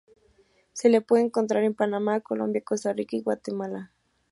Se la puede encontrar en Panamá, Colombia, Costa Rica y Guatemala.